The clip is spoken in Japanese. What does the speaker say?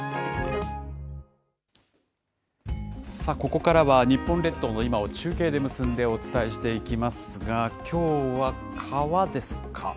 ここからは、日本列島の今を中継で結んでお伝えしていますが、きょうは川ですか。